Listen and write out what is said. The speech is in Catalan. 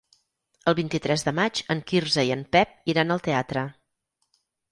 El vint-i-tres de maig en Quirze i en Pep iran al teatre.